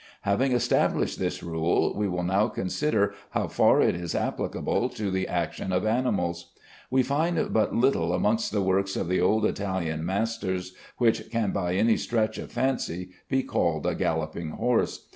Having established this rule, we will now consider how far it is applicable to the action of animals. We find but little amongst the works of the old Italian masters which can by any stretch of fancy be called a galloping horse.